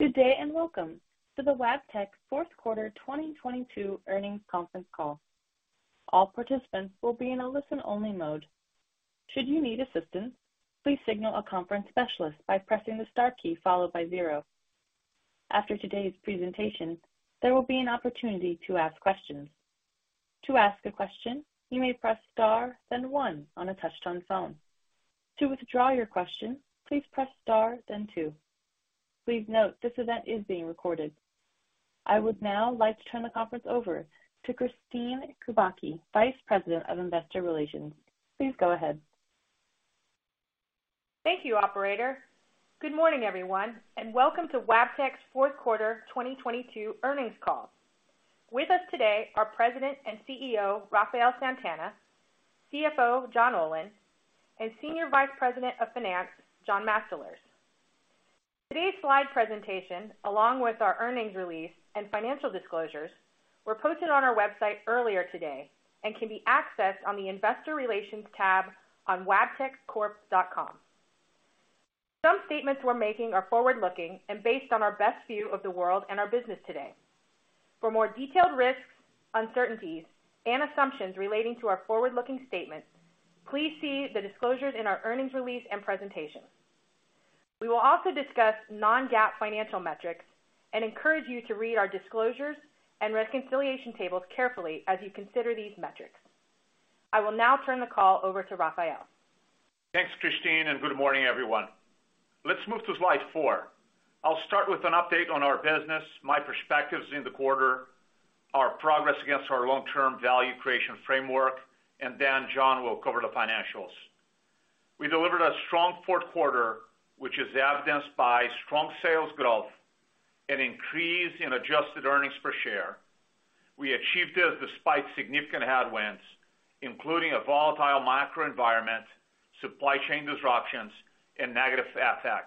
Good day. Welcome to the Wabtec Fourth Quarter 2022 Earnings Conference Call. All participants will be in a listen-only mode. Should you need assistance, please signal a conference specialist by pressing the star key followed by zero. After today's presentation, there will be an opportunity to ask questions. To ask a question, you may press star, then one on a touch-tone phone. To withdraw your question, please press star then two. Please note this event is being recorded. I would now like to turn the conference over to Kristine Kubacki, Vice President of Investor Relations. Please go ahead. Thank you, operator. Good morning, everyone, and welcome to Wabtec's Fourth Quarter 2022 Earnings Call. With us today are President and CEO Rafael Santana, CFO John Olin, and Senior Vice President of Finance, John Mastalerz. Today's slide presentation, along with our earnings release and financial disclosures, were posted on our website earlier today and can be accessed on the Investor Relations tab on wabteccorp.com. Some statements we're making are forward-looking and based on our best view of the world and our business today. For more detailed risks, uncertainties, and assumptions relating to our forward-looking statement, please see the disclosures in our earnings release and presentation. We will also discuss non-GAAP financial metrics and encourage you to read our disclosures and reconciliation tables carefully as you consider these metrics. I will now turn the call over to Rafael. Thanks, Kristine, good morning, everyone. Let's move to slide 4. I'll start with an update on our business, my perspectives in the quarter, our progress against our long-term value creation framework, John will cover the financials. We delivered a strong fourth quarter, which is evidenced by strong sales growth and increase in adjusted EPS. We achieved this despite significant headwinds, including a volatile macro environment, supply chain disruptions, and negative FX.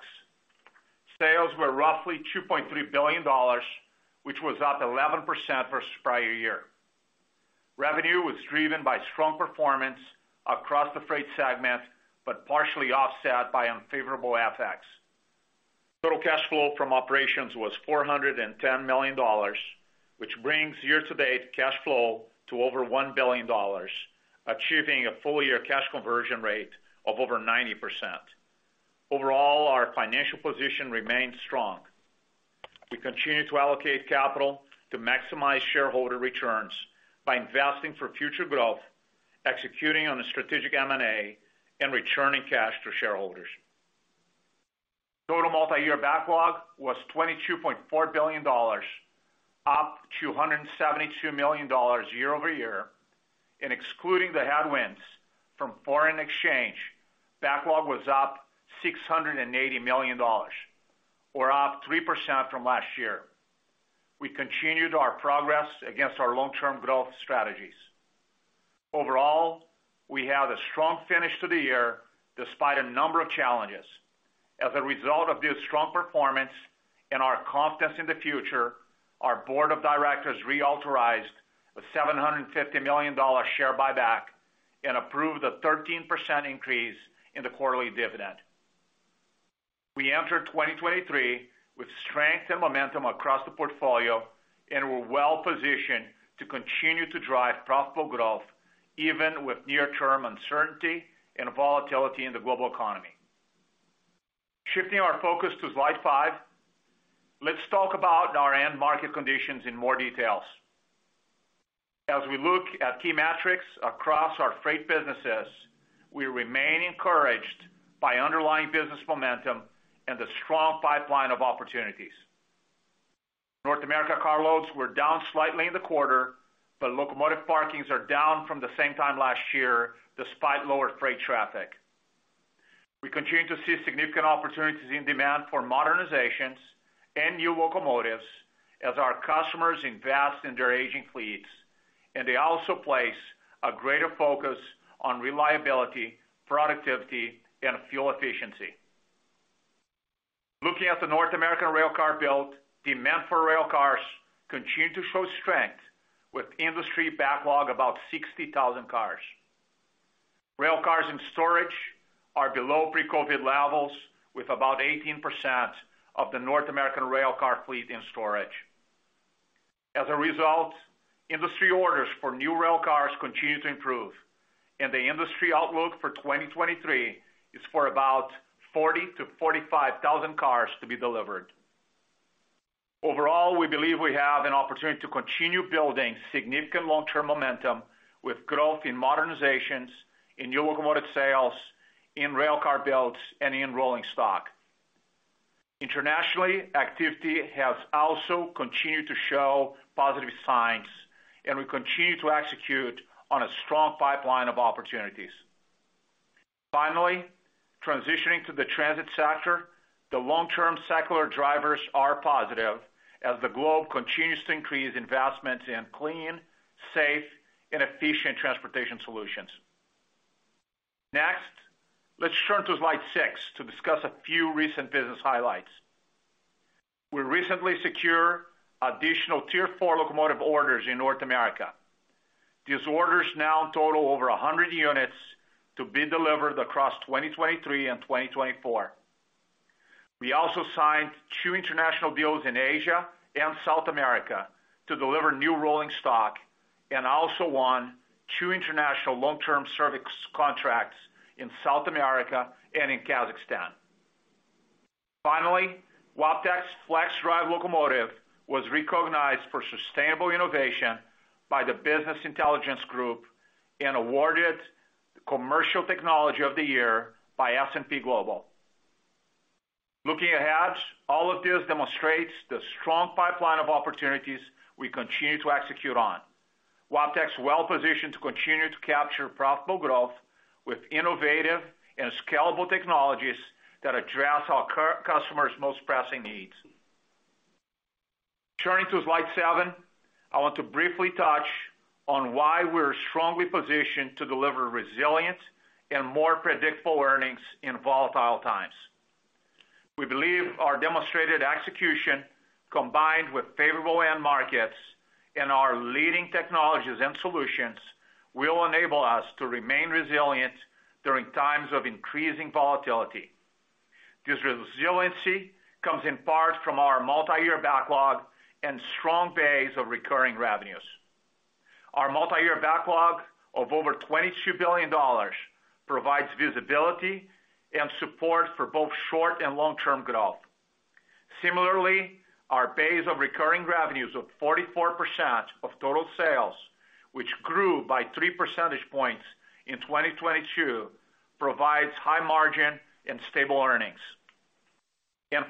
Sales were roughly $2.3 billion, which was up 11% versus prior year. Revenue was driven by strong performance across the Freight segment, partially offset by unfavorable FX. Total cash flow from operations was $410 million, which brings year-to-date cash flow to over $1 billion, achieving a full-year cash conversion rate of over 90%. Overall, our financial position remains strong. We continue to allocate capital to maximize shareholder returns by investing for future growth, executing on a strategic M&A, and returning cash to shareholders. Total multi-year backlog was $22.4 billion, up $272 million year-over-year. Excluding the headwinds from foreign exchange, backlog was up $680 million or up 3% from last year. We continued our progress against our long-term growth strategies. Overall, we have a strong finish to the year despite a number of challenges. As a result of this strong performance and our confidence in the future, our board of directors reauthorized a $750 million share buyback and approved a 13% increase in the quarterly dividend. We enter 2023 with strength and momentum across the portfolio. We're well-positioned to continue to drive profitable growth even with near-term uncertainty and volatility in the global economy. Shifting our focus to slide 5, let's talk about our end market conditions in more details. As we look at key metrics across our freight businesses, we remain encouraged by underlying business momentum and the strong pipeline of opportunities. North America carloads were down slightly in the quarter. Locomotive parkings are down from the same time last year despite lower freight traffic. We continue to see significant opportunities in demand for modernizations and new locomotives as our customers invest in their aging fleets. They also place a greater focus on reliability, productivity, and fuel efficiency. Looking at the North American railcar build, demand for railcars continue to show strength with industry backlog about 60,000 cars. Railcars in storage are below pre-COVID levels, with about 18% of the North American railcar fleet in storage. As a result, industry orders for new railcars continue to improve, and the industry outlook for 2023 is for about 40,000-45,000 cars to be delivered. Overall, we believe we have an opportunity to continue building significant long-term momentum with growth in modernizations, in new locomotive sales, in railcar builds, and in rolling stock. Internationally, activity has also continued to show positive signs, and we continue to execute on a strong pipeline of opportunities. Finally, transitioning to the transit sector, the long-term secular drivers are positive as the globe continues to increase investments in clean, safe, and efficient transportation solutions. Next, let's turn to slide 6 to discuss a few recent business highlights. We recently secured additional Tier 4 locomotive orders in North America. These orders now total over 100 units to be delivered across 2023 and 2024. We also signed two international deals in Asia and South America to deliver new rolling stock, and also won two international long-term service contracts in South America and in Kazakhstan. Finally, Wabtec's FLXdrive locomotive was recognized for sustainable innovation by the Business Intelligence Group and awarded the Commercial Technology of the Year by S&P Global. Looking ahead, all of this demonstrates the strong pipeline of opportunities we continue to execute on. Wabtec's well-positioned to continue to capture profitable growth with innovative and scalable technologies that address our customers' most pressing needs. Turning to slide 7, I want to briefly touch on why we're strongly positioned to deliver resilience and more predictable earnings in volatile times. We believe our demonstrated execution, combined with favorable end markets and our leading technologies and solutions, will enable us to remain resilient during times of increasing volatility. This resiliency comes in part from our multi-year backlog and strong base of recurring revenues. Our multi-year backlog of over $22 billion provides visibility and support for both short and long-term growth. Similarly, our base of recurring revenues of 44% of total sales, which grew by 3 percentage points in 2022, provides high margin and stable earnings.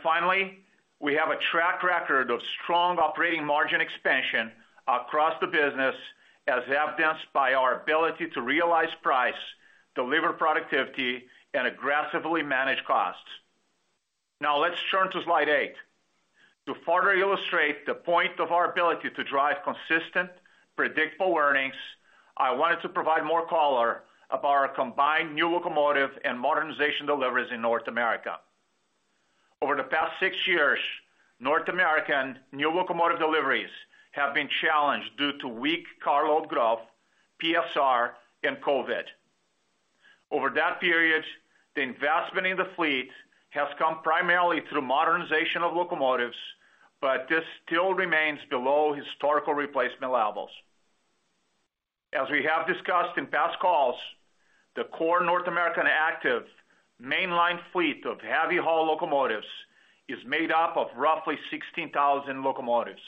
Finally, we have a track record of strong operating margin expansion across the business, as evidenced by our ability to realize price, deliver productivity, and aggressively manage costs. Now let's turn to slide 8. To further illustrate the point of our ability to drive consistent, predictable earnings, I wanted to provide more color of our combined new locomotive and modernization deliveries in North America. Over the past six years, North American new locomotive deliveries have been challenged due to weak carload growth, PSR, and COVID. Over that period, the investment in the fleet has come primarily through modernization of locomotives, but this still remains below historical replacement levels. As we have discussed in past calls, the core North American active mainline fleet of Heavy-haul locomotives is made up of roughly 16,000 locomotives.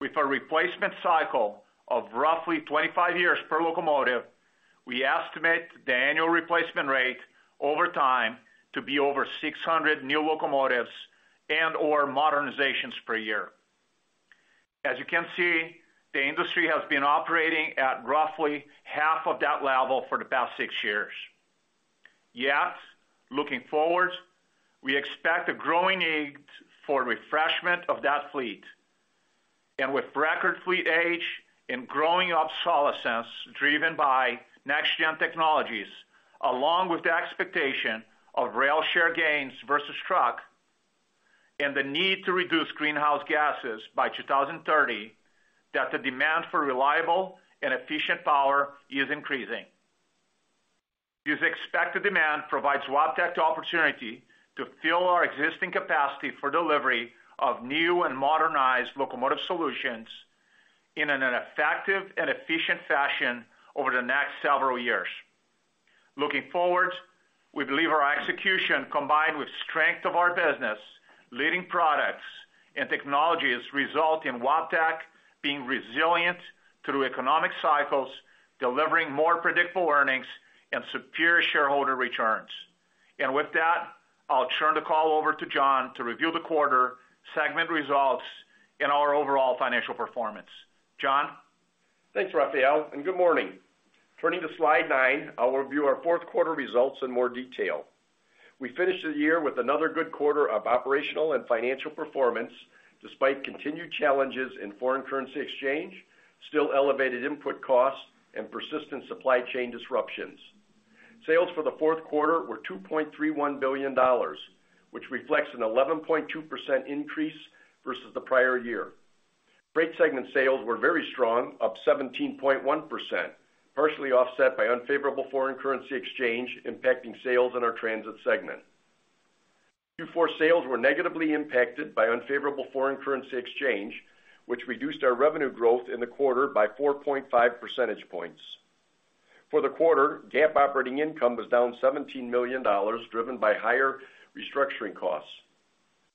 With a replacement cycle of roughly 25 years per locomotive, we estimate the annual replacement rate over time to be over 600 new locomotives and/or modernizations per year. As you can see, the industry has been operating at roughly half of that level for the past six years. Looking forward, we expect a growing need for refreshment of that fleet. With record fleet age and growing obsolescence driven by next-gen technologies, along with the expectation of rail share gains versus truck, and the need to reduce greenhouse gases by 2030, that the demand for reliable and efficient power is increasing. This expected demand provides Wabtec the opportunity to fill our existing capacity for delivery of new and modernized locomotive solutions in an effective and efficient fashion over the next several years. Looking forward, we believe our execution combined with strength of our business, leading products and technologies result in Wabtec being resilient through economic cycles, delivering more predictable earnings and superior shareholder returns. With that, I'll turn the call over to John to review the quarter, segment results, and our overall financial performance. John? Thanks, Rafael, and good morning. Turning to slide 9, I'll review our fourth quarter results in more detail. We finished the year with another good quarter of operational and financial performance despite continued challenges in foreign currency exchange, still elevated input costs, and persistent supply chain disruptions. Sales for the fourth quarter were $2.31 billion, which reflects an 11.2% increase versus the prior year. Freight segment sales were very strong, up 17.1%, partially offset by unfavorable foreign currency exchange impacting sales in our transit segment. Q4 sales were negatively impacted by unfavorable foreign currency exchange, which reduced our revenue growth in the quarter by 4.5 percentage points. For the quarter, GAAP operating income was down $17 million, driven by higher restructuring costs.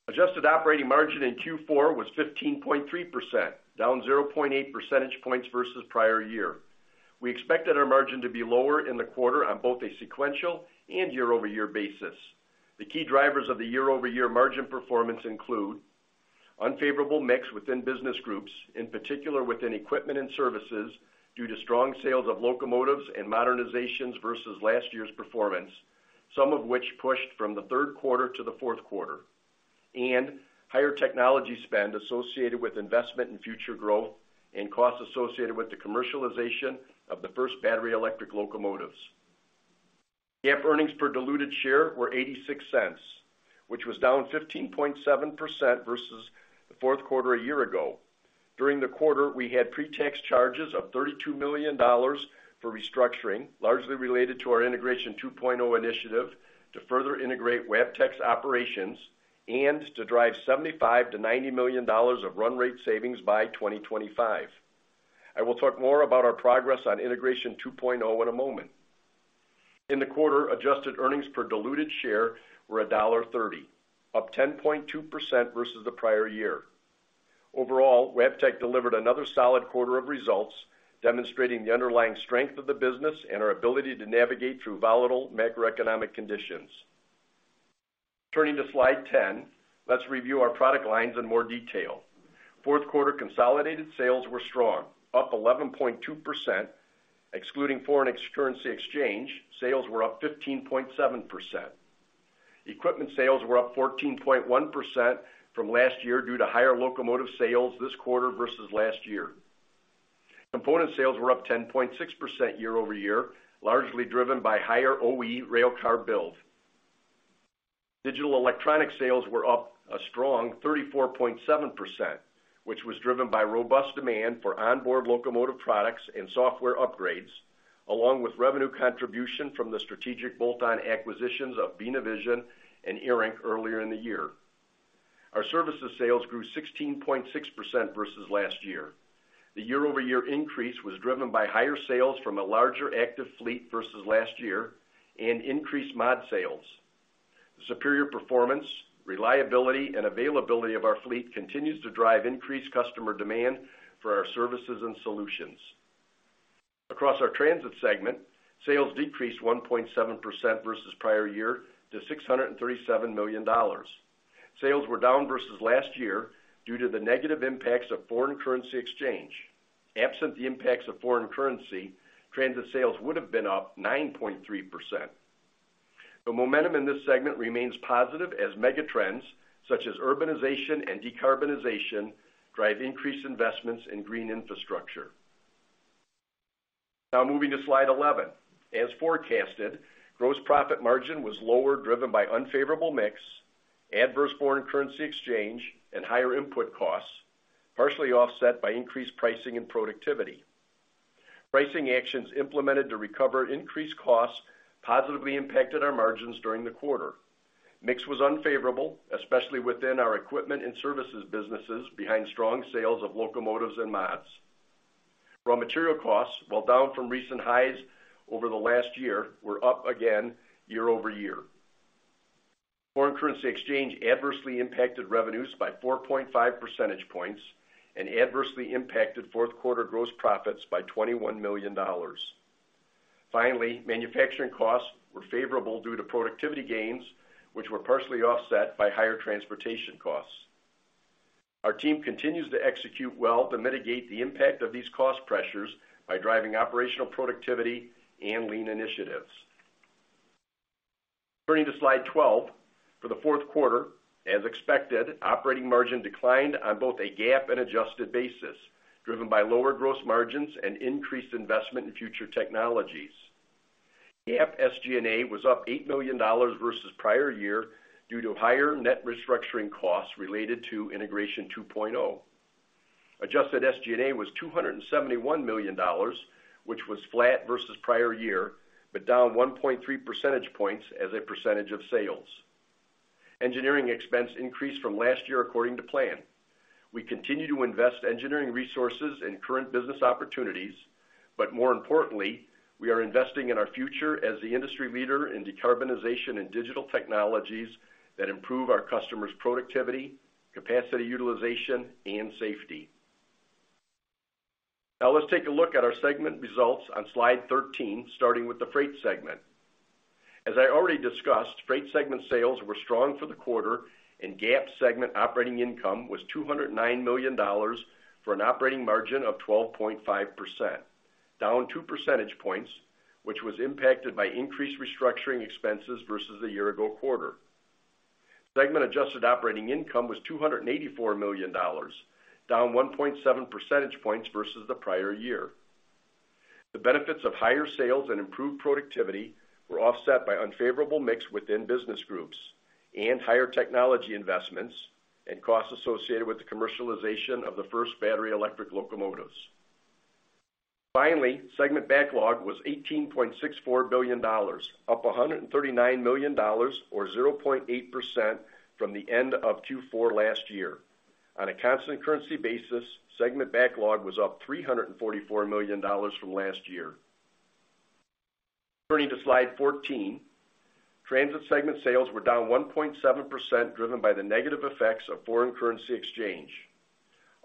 Adjusted operating margin in Q4 was 15.3%, down 0.8 percentage points versus prior year. We expected our margin to be lower in the quarter on both a sequential and year-over-year basis. The key drivers of the year-over-year margin performance include unfavorable mix within business groups, in particular within equipment and services, due to strong sales of locomotives and modernizations versus last year's performance, some of which pushed from the third quarter to the fourth quarter. Higher technology spend associated with investment in future growth and costs associated with the commercialization of the first battery-electric locomotives. GAAP earnings per diluted share were $0.86, which was down 15.7% versus the fourth quarter a year ago. During the quarter, we had pre-tax charges of $32 million for restructuring, largely related to our Integration 2.0 initiative to further integrate Wabtec's operations and to drive $75 million-$90 million of run-rate savings by 2025. I will talk more about our progress on Integration 2.0 in a moment. In the quarter, adjusted earnings per diluted share were $1.30, up 10.2% versus the prior year. Overall, Wabtec delivered another solid quarter of results, demonstrating the underlying strength of the business and our ability to navigate through volatile macroeconomic conditions. Turning to slide 10, let's review our product lines in more detail. Fourth quarter consolidated sales were strong, up 11.2%. Excluding foreign currency exchange, sales were up 15.7%. Equipment sales were up 14.1% from last year due to higher locomotive sales this quarter versus last year. Component sales were up 10.6% year-over-year, largely driven by higher OE railcar build. Digital Electronic sales were up a strong 34.7%, which was driven by robust demand for onboard locomotive products and software upgrades, along with revenue contribution from the strategic bolt-on acquisitions of Beena Vision and ARINC earlier in the year. Our services sales grew 16.6% versus last year. The year-over-year increase was driven by higher sales from a larger active fleet versus last year and increased MOD sales. Superior performance, reliability, and availability of our fleet continues to drive increased customer demand for our services and solutions. Across our transit segment, sales decreased 1.7% versus prior year to $637 million. Sales were down versus last year due to the negative impacts of foreign currency exchange. Absent the impacts of foreign currency, transit sales would have been up 9.3%. The momentum in this segment remains positive as mega trends such as urbanization and decarbonization drive increased investments in green infrastructure. Moving to slide 11. As forecasted, gross profit margin was lower, driven by unfavorable mix, adverse foreign currency exchange, and higher input costs, partially offset by increased pricing and productivity. Pricing actions implemented to recover increased costs positively impacted our margins during the quarter. Mix was unfavorable, especially within our equipment and services businesses behind strong sales of locomotives and mods. Raw material costs, while down from recent highs over the last year, were up again year-over-year. Foreign currency exchange adversely impacted revenues by 4.5 percentage points and adversely impacted fourth quarter gross profits by $21 million. Manufacturing costs were favorable due to productivity gains, which were partially offset by higher transportation costs. Our team continues to execute well to mitigate the impact of these cost pressures by driving operational productivity and lean initiatives. Turning to slide 12. For the fourth quarter, as expected, operating margin declined on both a GAAP and adjusted basis, driven by lower gross margins and increased investment in future technologies. GAAP SG&A was up $8 million versus prior year due to higher net restructuring costs related to Integration 2.0. Adjusted SG&A was $271 million, which was flat versus prior year, but down 1.3 percentage points as a percentage of sales. Engineering expense increased from last year according to plan. We continue to invest engineering resources in current business opportunities, but more importantly, we are investing in our future as the industry leader in decarbonization and digital technologies that improve our customers' productivity, capacity utilization, and safety. Let's take a look at our segment results on slide 13, starting with the Freight segment. As I already discussed, Freight segment sales were strong for the quarter and GAAP segment operating income was $209 million for an operating margin of 12.5%, down 2 percentage points, which was impacted by increased restructuring expenses versus a year ago quarter. Segment adjusted operating income was $284 million, down 1.7 percentage points versus the prior year. The benefits of higher sales and improved productivity were offset by unfavorable mix within business groups and higher technology investments and costs associated with the commercialization of the first battery-electric locomotives. Segment backlog was $18.64 billion, up $139 million or 0.8% from the end of Q4 last year. On a constant-currency basis, segment backlog was up $344 million from last year. Turning to slide 14. Transit segment sales were down 1.7%, driven by the negative effects of foreign currency exchange.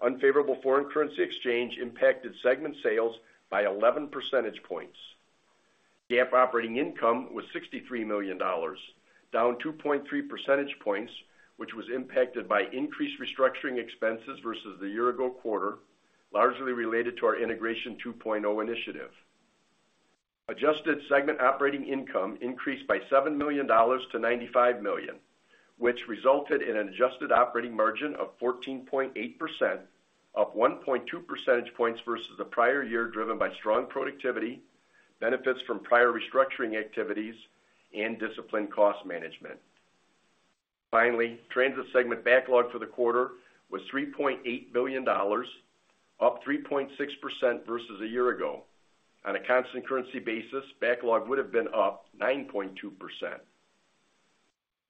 Unfavorable foreign currency exchange impacted segment sales by 11 percentage points. GAAP operating income was $63 million, down 2.3 percentage points, which was impacted by increased restructuring expenses versus the year-ago quarter, largely related to our Integration 2.0 initiative. Adjusted segment operating income increased by $7 million to $95 million. Which resulted in an adjusted operating margin of 14.8%, up 1.2 percentage points versus the prior year, driven by strong productivity, benefits from prior restructuring activities and disciplined cost management. Transit segment backlog for the quarter was $3.8 billion, up 3.6% versus a year ago. On a constant-currency basis, backlog would have been up 9.2%.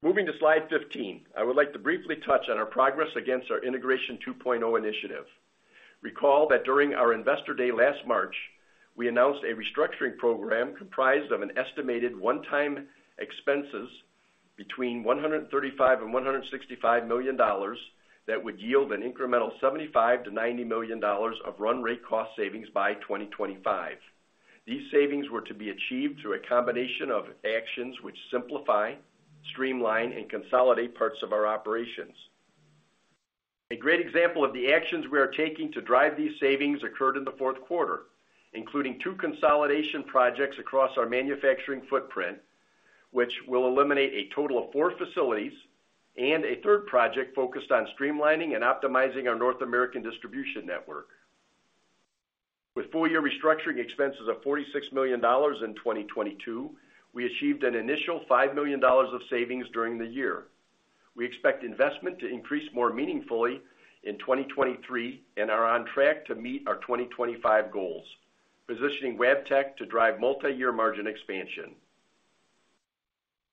Moving to slide 15. I would like to briefly touch on our progress against our Integration 2.0 initiative. Recall that during our Investor Day last March, we announced a restructuring program comprised of an estimated one-time expenses between $135 million-$165 million that would yield an incremental $75 million-$90 million of run-rate cost savings by 2025. These savings were to be achieved through a combination of actions which simplify, streamline, and consolidate parts of our operations. A great example of the actions we are taking to drive these savings occurred in the fourth quarter, including two consolidation projects across our manufacturing footprint, which will eliminate a total of four facilities, and a third project focused on streamlining and optimizing our North American distribution network. With full-year restructuring expenses of $46 million in 2022, we achieved an initial $5 million of savings during the year. We expect investment to increase more meaningfully in 2023 and are on track to meet our 2025 goals, positioning Wabtec to drive multiyear margin expansion.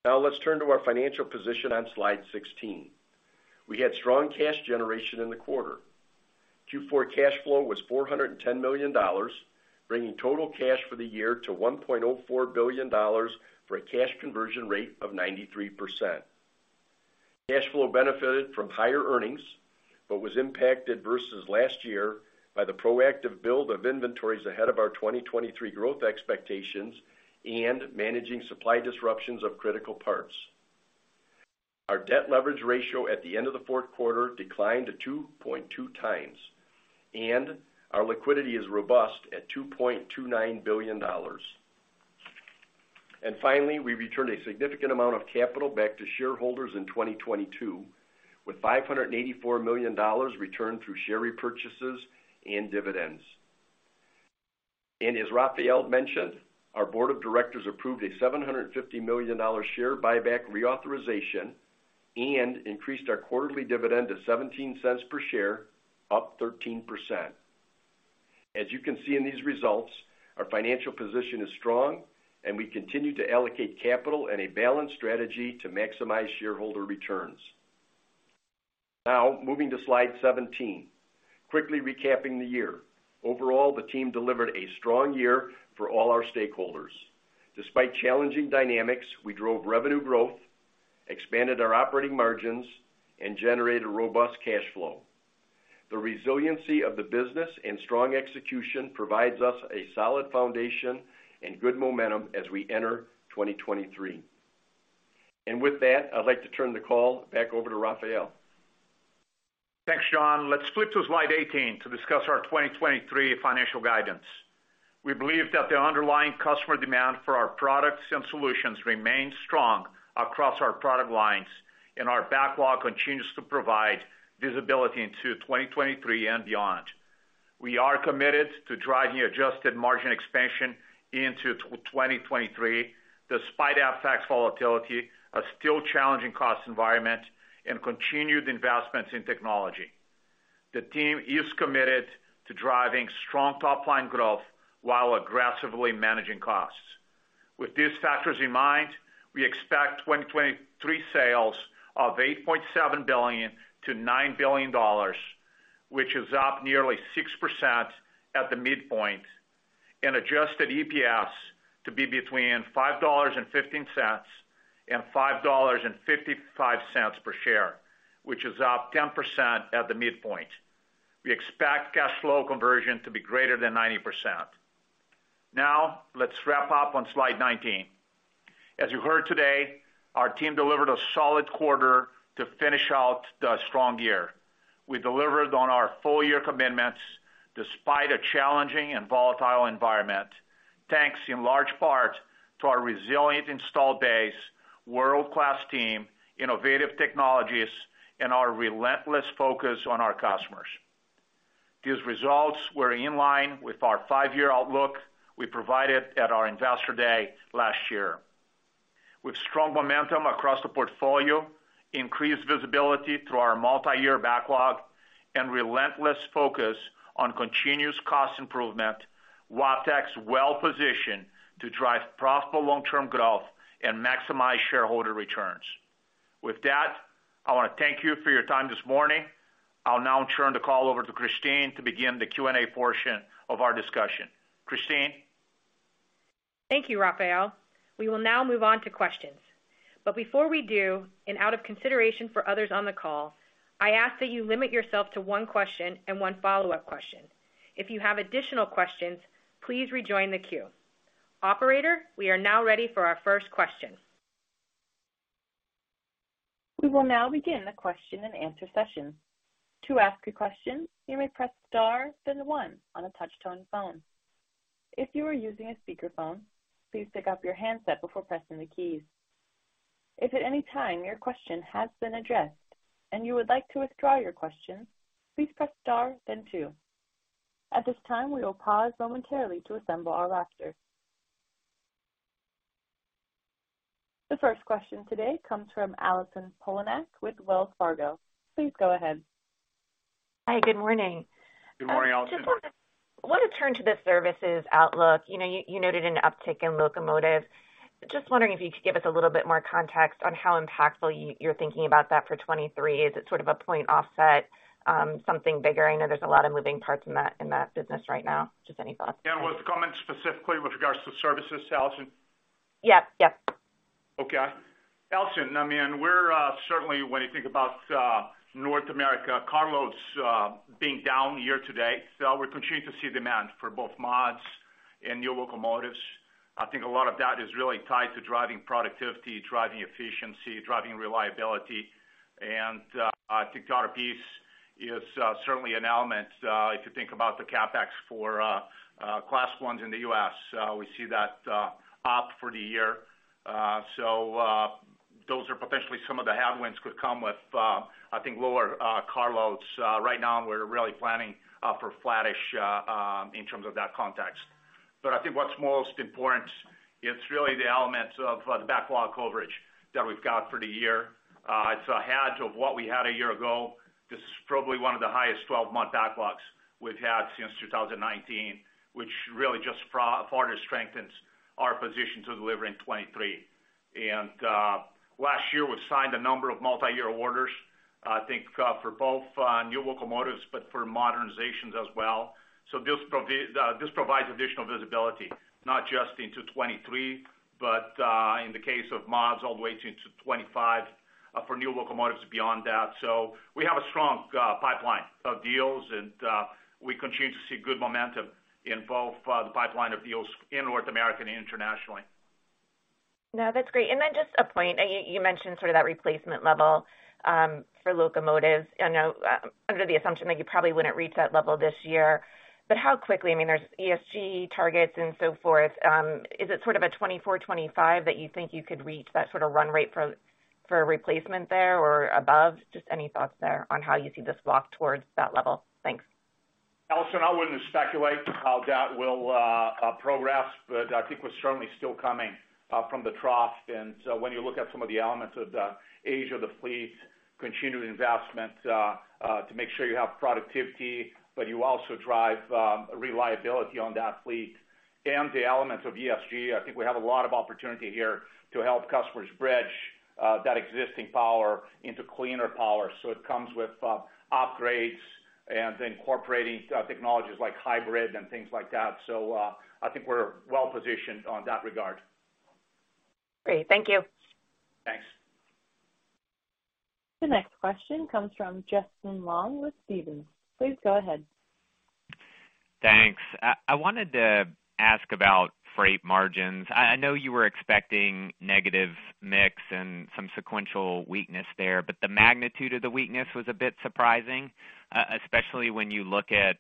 Let's turn to our financial position on slide 16. We had strong cash generation in the quarter. Q4 cash flow was $410 million, bringing total cash for the year to $1.04 billion, for a cash conversion rate of 93%. Cash flow benefited from higher earnings, but was impacted versus last year by the proactive build of inventories ahead of our 2023 growth expectations and managing supply disruptions of critical parts. Our debt leverage ratio at the end of the fourth quarter declined to 2.2x, and our liquidity is robust at $2.29 billion. Finally, we returned a significant amount of capital back to shareholders in 2022, with $584 million returned through share repurchases and dividends. As Rafael mentioned, our board of directors approved a $750 million share buyback reauthorization and increased our quarterly dividend to $0.17 per share, up 13%. As you can see in these results, our financial position is strong and we continue to allocate capital in a balanced strategy to maximize shareholder returns. Now moving to slide 17. Quickly recapping the year. Overall, the team delivered a strong year for all our stakeholders. Despite challenging dynamics, we drove revenue growth, expanded our operating margins, and generated robust cash flow. The resiliency of the business and strong execution provides us a solid foundation and good momentum as we enter 2023. With that, I'd like to turn the call back over to Rafael. Thanks, John. Let's flip to slide 18 to discuss our 2023 financial guidance. We believe that the underlying customer demand for our products and solutions remains strong across our product lines, and our backlog continues to provide visibility into 2023 and beyond. We are committed to driving adjusted margin expansion into 2023 despite FX volatility, a still challenging cost environment and continued investments in technology. The team is committed to driving strong top line growth while aggressively managing costs. With these factors in mind, we expect 2023 sales of $8.7 billion-$9 billion, which is up nearly 6% at the midpoint, and adjusted EPS to be between $5.15 and $5.55 per share, which is up 10% at the midpoint. We expect cash flow conversion to be greater than 90%. Now let's wrap up on slide 19. As you heard today, our team delivered a solid quarter to finish out the strong year. We delivered on our full year commitments despite a challenging and volatile environment, thanks in large part to our resilient installed base, world-class team, innovative technologies, and our relentless focus on our customers. These results were in line with our five-year outlook we provided at our Investor Day last year. With strong momentum across the portfolio, increased visibility through our multiyear backlog, and relentless focus on continuous cost improvement, Wabtec's well positioned to drive profitable long-term growth and maximize shareholder returns. With that, I want to thank you for your time this morning. I'll now turn the call over to Kristine to begin the Q&A portion of our discussion. Kristine? Thank you, Rafael. We will now move on to questions, but before we do, and out of consideration for others on the call, I ask that you limit yourself to one question and one follow-up question. If you have additional questions, please rejoin the queue. Operator, we are now ready for our first question. We will now begin the question and answer session. To ask a question, you may press star then one on a touch-tone phone. If you are using a speakerphone, please pick up your handset before pressing the keys. If at any time your question has been addressed and you would like to withdraw your question, please press star then two. At this time, we will pause momentarily to assemble our roster. The first question today comes from Allison Poliniak with Wells Fargo. Please go ahead. Hi, good morning. Good morning, Allison. Just wanted to turn to the services outlook. You know, you noted an uptick in locomotives. Just wondering if you could give us a little bit more context on how impactful you're thinking about that for 23. Is it sort of a point offset, something bigger? I know there's a lot of moving parts in that business right now. Just any thoughts. Yeah. We'll comment specifically with regards to services, Allison. Yep. Yep. Okay. Allison Poliniak, I mean, we're certainly when you think about North America carloads being down year to date, we're continuing to see demand for both mods and new locomotives. I think a lot of that is really tied to driving productivity, driving efficiency, driving reliability. I think the other piece is certainly an element, if you think about the CapEx for Class I in the U.S., we see that up for the year. Those are potentially some of the headwinds could come with I think lower carloads. Right now we're really planning for flattish in terms of that context. I think what's most important, it's really the elements of the backlog coverage that we've got for the year. It's ahead of what we had a year ago. This is probably one of the highest 12-month backlogs we've had since 2019, which really just further strengthens our position to deliver in 23. Last year, we signed a number of multi-year orders, I think, for both new locomotives, but for modernizations as well. This provides additional visibility, not just into 23, but in the case of mods, all the way into 25, for new locomotives beyond that. We have a strong pipeline of deals, and we continue to see good momentum in both the pipeline of deals in North America and internationally. No, that's great. Just a point. You, you mentioned sort of that replacement level, for locomotives. I know, under the assumption that you probably wouldn't reach that level this year, but how quickly? I mean, there's ESG targets and so forth. Is it sort of a 2024, 2025 that you think you could reach that sort of run-rate for a replacement there or above? Just any thoughts there on how you see this walk towards that level? Thanks. Allison, I wouldn't speculate how that will progress, but I think we're certainly still coming from the trough. When you look at some of the elements of the age of the fleet, continuing investment to make sure you have productivity, but you also drive reliability on that fleet and the elements of ESG, I think we have a lot of opportunity here to help customers bridge that existing power into cleaner power. It comes with upgrades and incorporating technologies like hybrid and things like that. I think we're well positioned on that regard. Great. Thank you. Thanks. The next question comes from Justin Long with Stephens. Please go ahead. Thanks. I wanted to ask about freight margins. I know you were expecting negative mix and some sequential weakness there, but the magnitude of the weakness was a bit surprising, especially when you look at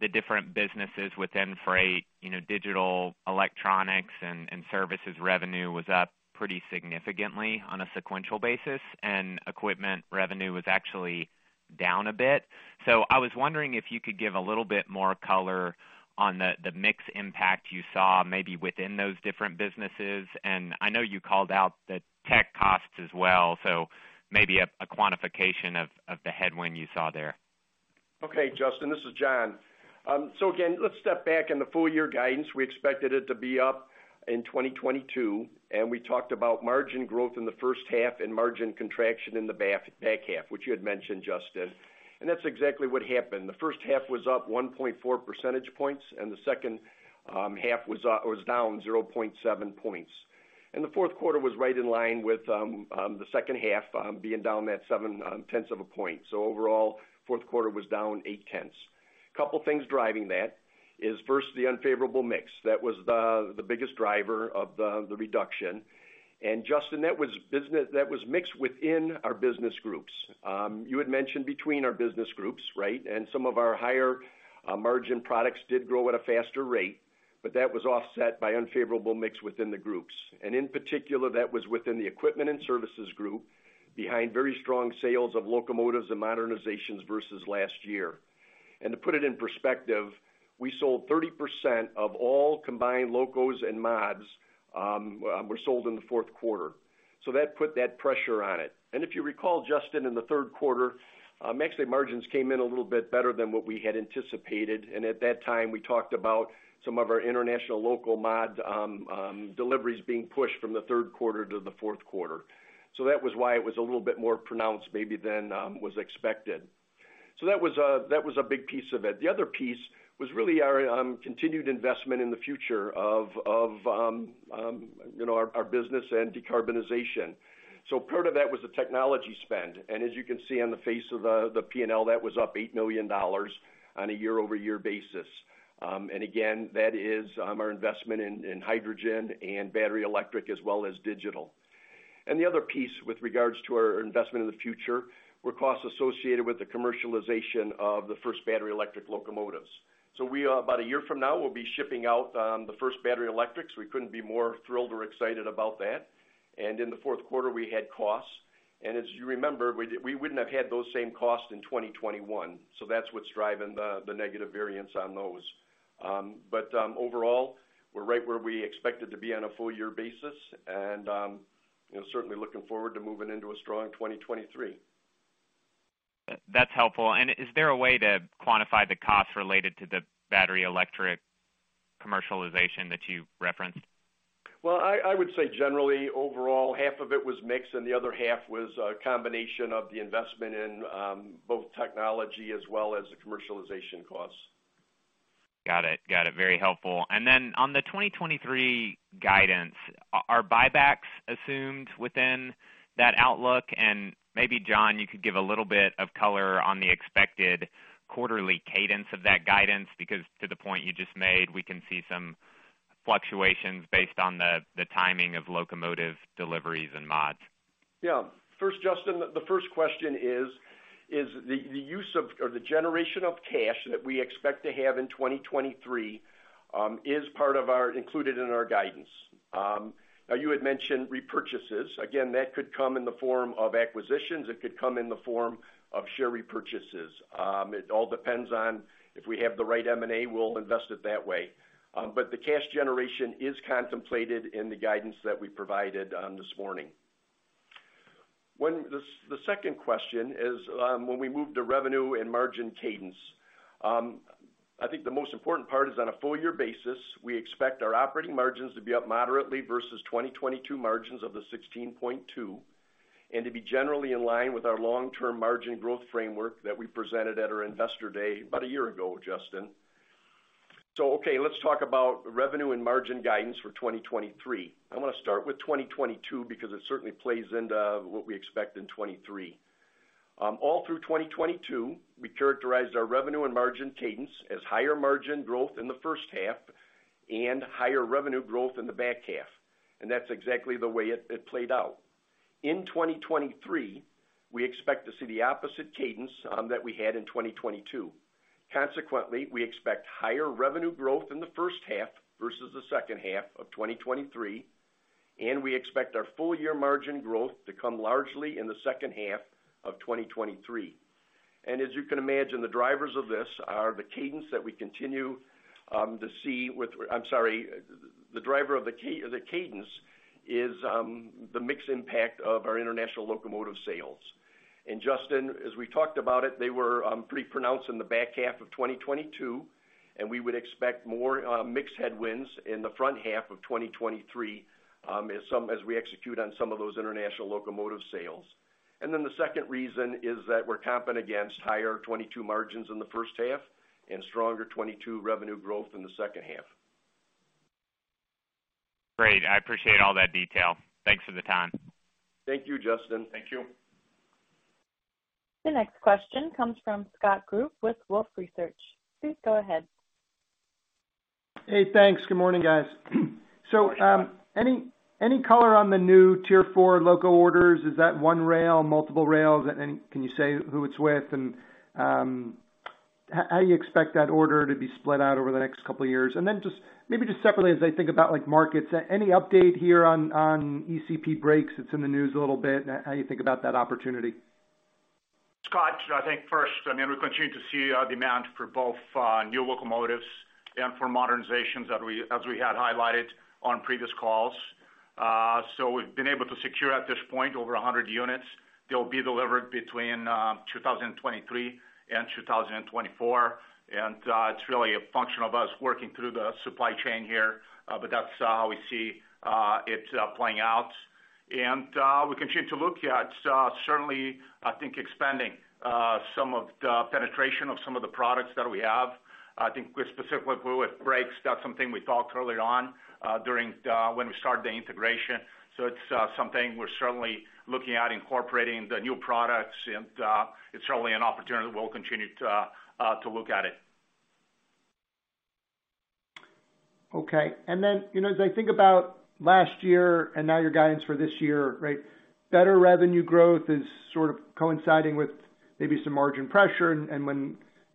the different businesses within freight, you know, digital, electronics and services revenue was up pretty significantly on a sequential basis, and equipment revenue was actually down a bit. I was wondering if you could give a little bit more color on the mix impact you saw maybe within those different businesses. I know you called out the tech costs as well, so maybe a quantification of the headwind you saw there. Okay, Justin, this is John. Again, let's step back in the full year guidance. We expected it to be up in 2022, and we talked about margin growth in the first half and margin contraction in the back half, which you had mentioned, Justin. That's exactly what happened. The first half was up 1.4 percentage points, and the second half was down 0.7 points. The fourth quarter was right in line with the second half being down that 0.7 points. Overall, fourth quarter was down 0.8 points. Couple things driving that is First, the unfavorable mix. That was the biggest driver of the reduction. Justin, that was mixed within our business groups. You had mentioned between our business groups, right? Some of our higher margin products did grow at a faster rate, but that was offset by unfavorable mix within the groups. In particular, that was within the equipment and services group behind very strong sales of locomotives and modernizations versus last year. To put it in perspective, we sold 30% of all combined locos and mods were sold in the fourth quarter. That put that pressure on it. If you recall, Justin, in the third quarter, actually margins came in a little bit better than what we had anticipated, and at that time, we talked about some of our international local mod deliveries being pushed from the third quarter to the fourth quarter. That was why it was a little bit more pronounced maybe than was expected. That was a big piece of it. The other piece was really our continued investment in the future of our business and decarbonization. Part of that was the technology spend. As you can see on the face of the P&L, that was up $8 million on a year-over-year basis. Again, that is our investment in hydrogen and battery-electric as well as digital and the other piece with regards to our investment in the future were costs associated with the commercialization of the first battery-electric locomotives. we are about a year from now, we'll be shipping out the first battery-electrics. We couldn't be more thrilled or excited about that. And in the fourth quarter, we had costs. as you remember, we wouldn't have had those same costs in 2021, that's what's driving the negative variance on those. But overall, we're right where we expected to be on a full year basis and you know, certainly looking forward to moving into a strong 2023. That's helpful. Is there a way to quantify the costs related to the battery-electric commercialization that you referenced? I would say generally, overall, half of it was mix, and the other half was a combination of the investment in both technology as well as the commercialization costs. Got it. Got it. Very helpful. On the 2023 guidance, are buybacks assumed within that outlook? Maybe, John, you could give a little bit of color on the expected quarterly cadence of that guidance, because to the point you just made, we can see some fluctuations based on the timing of locomotive deliveries and mods. First, Justin, the first question is the use of or the generation of cash that we expect to have in 2023, included in our guidance. Now you had mentioned repurchases. Again, that could come in the form of acquisitions. It could come in the form of share repurchases. It all depends on if we have the right M&A, we'll invest it that way. The cash generation is contemplated in the guidance that we provided this morning. The second question is when we move to revenue and margin cadence. I think the most important part is on a full year basis, we expect our operating margins to be up moderately versus 2022 margins of the 16.2%, and to be generally in line with our long-term margin growth framework that we presented at our Investor Day about a year ago, Justin. Okay, let's talk about revenue and margin guidance for 2023. I wanna start with 2022 because it certainly plays into what we expect in 2023. All through 2022, we characterized our revenue and margin cadence as higher margin growth in the first half and higher revenue growth in the back half, and that's exactly the way it played out. In 2023, we expect to see the opposite cadence that we had in 2022. Consequently, we expect higher revenue growth in the first half versus the second half of 2023, and we expect our full year margin growth to come largely in the second half of 2023. As you can imagine, the drivers of this are the cadence that we continue to see. The driver of the cadence is the mixed impact of our international locomotive sales. Justin, as we talked about it, they were pretty pronounced in the back half of 2022, and we would expect more mix headwinds in the front half of 2023, as we execute on some of those international locomotive sales. The second reason is that we're comping against higher 2022 margins in the first half and stronger 2022 revenue growth in the second half. Great. I appreciate all that detail. Thanks for the time. Thank you, Justin. Thank you. The next question comes from Scott Group with Wolfe Research. Please go ahead. Hey, thanks. Good morning, guys. Any color on the new Tier 4 loco orders, is that one rail, multiple rails? Can you say who it's with? How do you expect that order to be split out over the next couple of years? Maybe just separately, as I think about like markets, any update here on ECP brakes? It's in the news a little bit. How do you think about that opportunity? Scott, I think first, I mean, we continue to see demand for both new locomotives and for modernizations as we had highlighted on previous calls. We've been able to secure at this point over 100 units. They'll be delivered between 2023 and 2024. It's really a function of us working through the supply chain here, but that's how we see it playing out. We continue to look at certainly, I think expanding some of the penetration of some of the products that we have. I think specifically with brakes, that's something we talked earlier on during when we started the integration. It's something we're certainly looking at incorporating the new products, and it's certainly an opportunity we'll continue to look at it. Okay. You know, as I think about last year and now your guidance for this year, right? Better revenue growth is sort of coinciding with maybe some margin pressure. I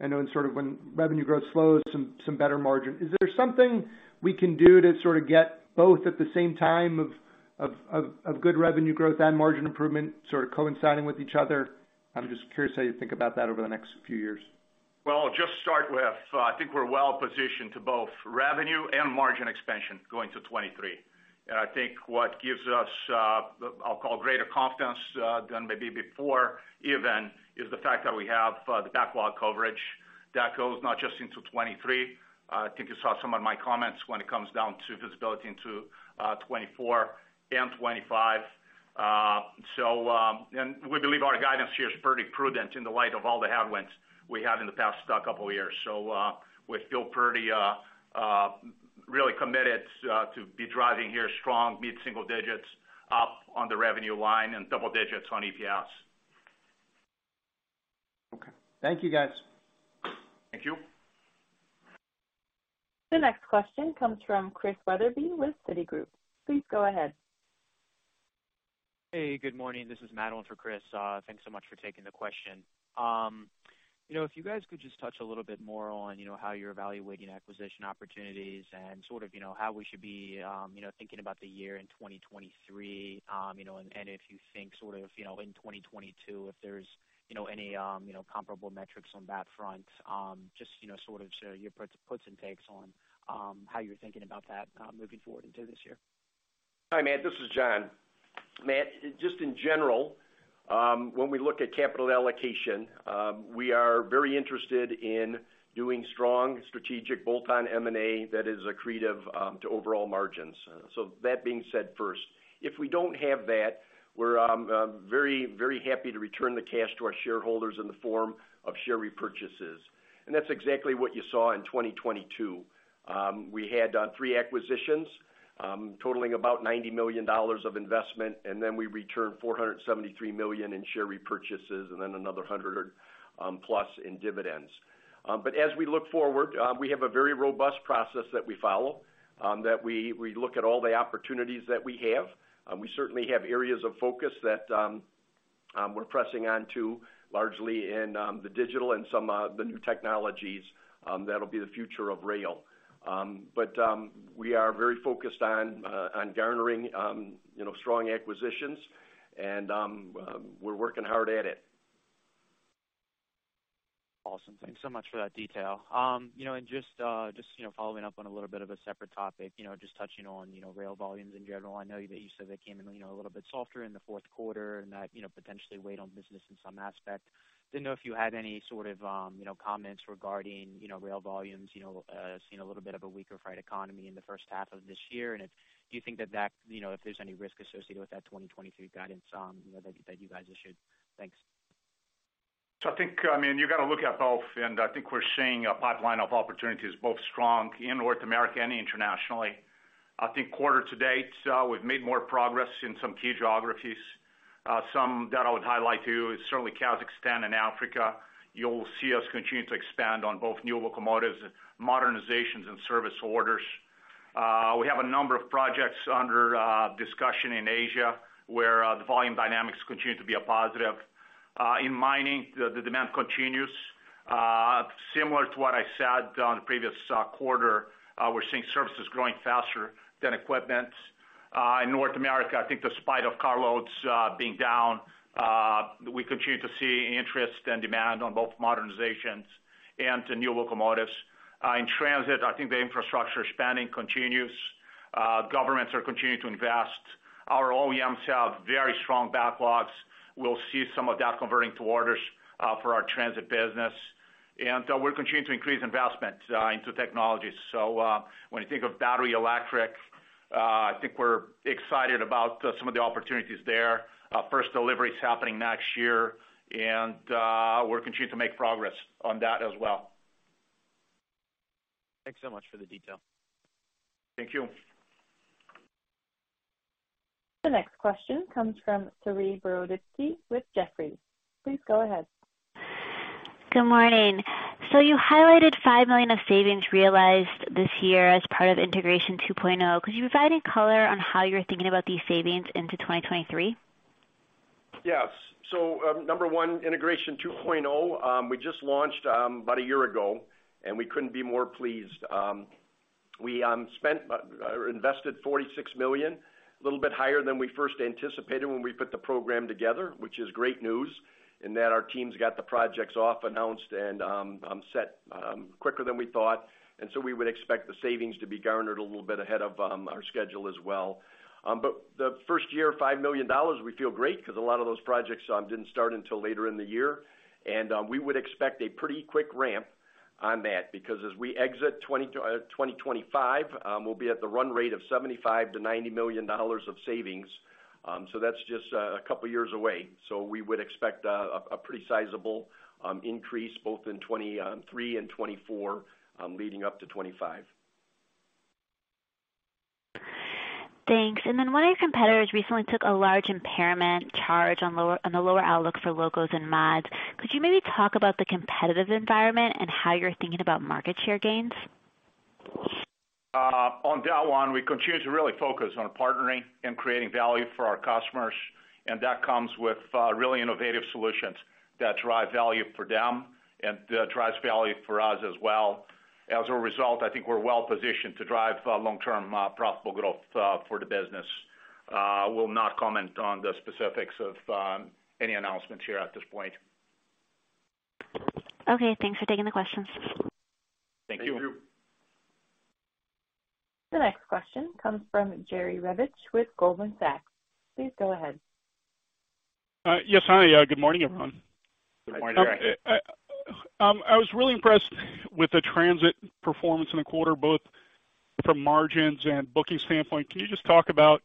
know when sort of when revenue growth slows, some better margin. Is there something we can do to sort of get both at the same time of good revenue growth and margin improvement sort of coinciding with each other? I'm just curious how you think about that over the next few years. Well, I'll just start with, I think we're well positioned to both revenue and margin expansion going to 2023. I think what gives us, I'll call greater confidence than maybe before even, is the fact that we have the backlog coverage that goes not just into 2023. I think you saw some of my comments when it comes down to visibility into 2024 and 2025. We believe our guidance here is pretty prudent in the light of all the headwinds we have in the past couple of years. We feel pretty, really committed to be driving here strong mid-single digits up on the revenue line and double digits on EPS. Thank you guys. Thank you. The next question comes from Chris Wetherbee with Citigroup. Please go ahead. Hey, good morning. This is Madeline for Chris. Thanks so much for taking the question. You know, if you guys could just touch a little bit more on, you know, how you're evaluating acquisition opportunities and sort of, you know, how we should be, you know, thinking about the year in 2023, you know, and if you think sort of, you know, in 2022, if there's, you know, any, you know, comparable metrics on that front, just, you know, sort of your puts and takes on how you're thinking about that moving forward into this year. Hi, Matt, this is John. Matt, just in general, when we look at capital allocation, we are very interested in doing strong strategic bolt-on M&A that is accretive, to overall margins. That being said first. If we don't have that, we're very, very happy to return the cash to our shareholders in the form of share repurchases. That's exactly what you saw in 2022. We had three acquisitions, totaling about $90 million of investment, and then we returned $473 million in share repurchases and then another $100 plus in dividends. As we look forward, we have a very robust process that we follow, that we look at all the opportunities that we have. We certainly have areas of focus that we're pressing on to largely in the digital and some the new technologies that'll be the future of rail. We are very focused on on garnering, you know, strong acquisitions and we're working hard at it. Awesome. Thanks so much for that detail. you know, and just, you know, following up on a little bit of a separate topic, you know, just touching on, you know, rail volumes in general. I know that you said they came in, you know, a little bit softer in the fourth quarter and that, you know, potentially weighed on business in some aspect. Didn't know if you had any sort of, you know, comments regarding, you know, rail volumes, you know, seeing a little bit of a weaker freight economy in the first half of this year. Do you think that that, you know, if there's any risk associated with that 2023 guidance, you know, that you guys issued? Thanks. I think, I mean, you got to look at both. I think we're seeing a pipeline of opportunities both strong in North America and internationally. I think quarter to date, we've made more progress in some key geographies. Some that I would highlight to you is certainly Kazakhstan and Africa. You'll see us continue to expand on both new locomotives, modernizations and service orders. We have a number of projects under discussion in Asia, where the volume dynamics continue to be a positive. In mining, the demand continues. Similar to what I said in the previous quarter, we're seeing services growing faster than equipment. In North America, I think despite of carloads being down, we continue to see interest and demand on both modernizations and to new locomotives. In transit, I think the infrastructure spending continues. Governments are continuing to invest. Our OEMs have very strong backlogs. We'll see some of that converting to orders for our transit business. We're continuing to increase investment into technologies. When you think of battery-electric, I think we're excited about some of the opportunities there. Our first delivery is happening next year. We're continuing to make progress on that as well. Thanks so much for the detail. Thank you. The next question comes from Saree Boroditsky with Jefferies. Please go ahead. Good morning. You highlighted $5 million of savings realized this year as part of Integration 2.0. Could you provide any color on how you're thinking about these savings into 2023? Yes. Integration 2.0, we just launched about a year ago, and we couldn't be more pleased. We spent or invested $46 million, a little bit higher than we first anticipated when we put the program together, which is great news in that our teams got the projects off, announced and set quicker than we thought. We would expect the savings to be garnered a little bit ahead of our schedule as well. The first year, $5 million, we feel great because a lot of those projects didn't start until later in the year. We would expect a pretty quick ramp on that because as we exit 2025, we'll be at the run-rate of $75 million-$90 million of savings. That's just a couple of years away. We would expect a pretty sizable increase both in 2023 and 2024, leading up to 2025. Thanks. One of your competitors recently took a large impairment charge on lower, on the lower outlook for locos and mods. Could you maybe talk about the competitive environment and how you're thinking about market share gains? On that one, we continue to really focus on partnering and creating value for our customers. That comes with really innovative solutions that drive value for them and that drives value for us as well. As a result, I think we're well positioned to drive long-term profitable growth for the business. I will not comment on the specifics of any announcements here at this point. Okay, thanks for taking the questions. Thank you. Thank you. The next question comes from Jerry Revich with Goldman Sachs. Please go ahead. Yes, hi. Good morning, everyone. Good morning, Jerry. I was really impressed with the transit performance in the quarter, both from margins and booking standpoint. Can you just talk about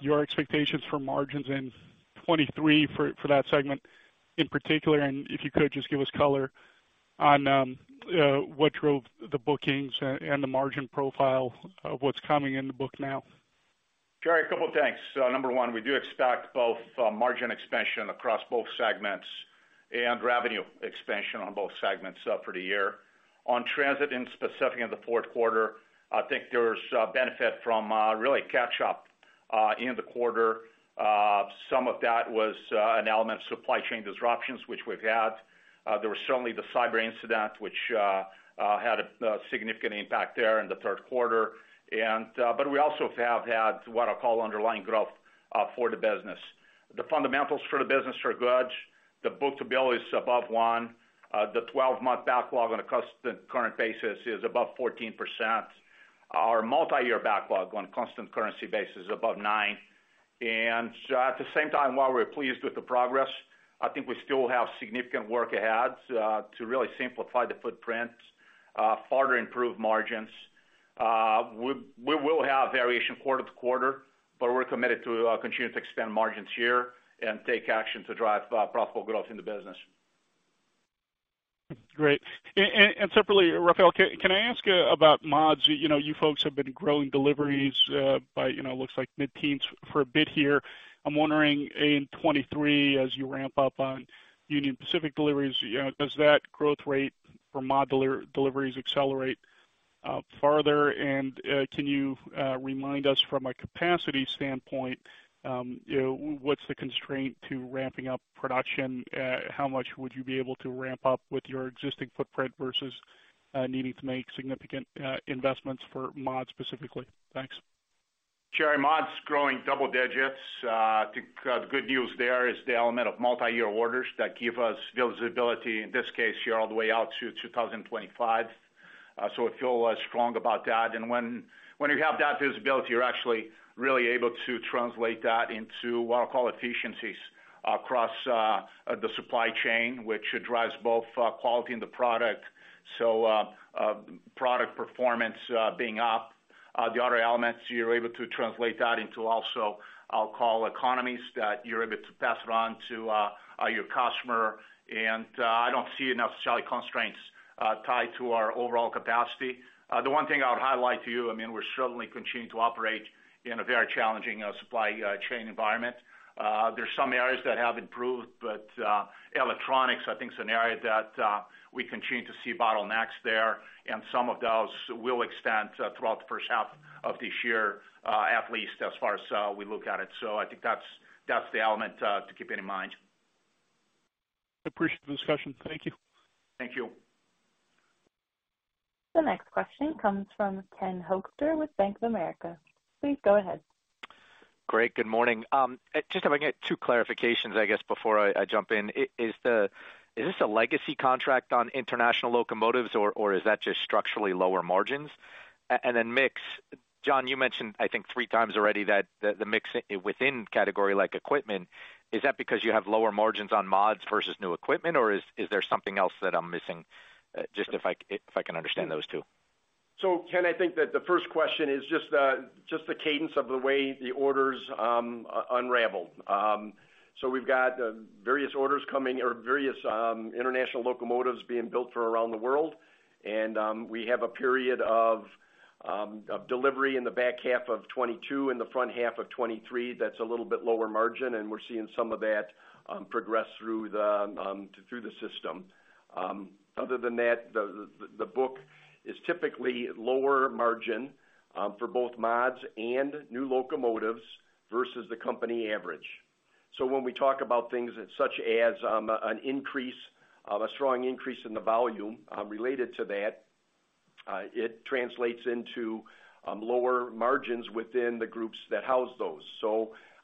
your expectations for margins in 2023 for that segment in particular? If you could, just give us color on what drove the bookings and the margin profile of what's coming in the book now. Jerry, a couple of things. Number one, we do expect both margin expansion across both segments and revenue expansion on both segments for the year. On transit and specifically in the fourth quarter, I think there's benefit from really catch up in the quarter. Some of that was an element of supply chain disruptions which we've had. There was certainly the cyber incident, which had a significant impact there in the third quarter. We also have had what I call underlying growth for the business. The fundamentals for the business are good. The book-to-bill is above one. The 12-month backlog on a constant current basis is above 14%. Our multiyear backlog on a constant-currency basis is above 9. At the same time, while we're pleased with the progress, I think we still have significant work ahead, to really simplify the footprint, further improve margins. We will have variation quarter to quarter, but we're committed to continuing to expand margins here and take action to drive profitable growth in the business. Great separately, Rafael, can I ask about mods? You know, you folks have been growing deliveries, uh, by, you know, looks like mid-teens for a bit here. I'm wondering in 2023, as you ramp up on Union Pacific deliveries, you know, does that growth rate for modular deliveries accelerate further? And can you remind us from a capacity standpoint, you know, what's the constraint to ramping up production? How much would you be able to ramp up with your existing footprint versus needing to make significant investments for mods specifically? Thanks. Jerry, mods growing double digits. I think the good news there is the element of multiyear orders that give us visibility, in this case here, all the way out to 2025. I feel strong about that. When you have that visibility, you're actually really able to translate that into what I call efficiencies across the supply chain, which drives both quality in the product. Product performance being up. The other elements, you're able to translate that into also, I'll call economies that you're able to pass it on to your customer, and I don't see enough solid constraints tied to our overall capacity. The one thing I would highlight to you, I mean, we're certainly continuing to operate in a very challenging supply chain environment. There's some areas that have improved, but, electronics, I think, is an area that, we continue to see bottlenecks there, and some of those will extend, throughout the first half of this year, at least as far as, we look at it. I think that's the element, to keep it in mind. I appreciate the discussion. Thank you. Thank you. The next question comes from Ken Hoexter with Bank of America. Please go ahead. Great. Good morning. Just if I can get two clarifications, I guess, before I jump in. Is this a legacy contract on international locomotives or is that just structurally lower margins? Then mix. John, you mentioned I think three times already that the mix within category like equipment, is that because you have lower margins on mods versus new equipment, or is there something else that I'm missing? Just if I can understand those two. Ken, I think that the first question is just the cadence of the way the orders unraveled. We've got various orders coming or various international locomotives being built for around the world. We have a period of delivery in the back half of 2022 and the front half of 2023 that's a little bit lower margin, and we're seeing some of that progress through the through the system. Other than that, the the the book is typically lower margin for both mods and new locomotives versus the company average. When we talk about things such as an increase, a strong increase in the volume, related to that, it translates into lower margins within the groups that house those.